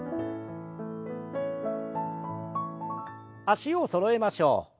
脚をそろえましょう。